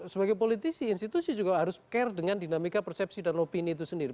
sebagai politisi institusi juga harus care dengan dinamika persepsi dan opini itu sendiri